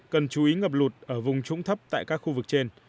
cần chú ý ngập lụt ở vùng trũng thấp tại các khu vực trên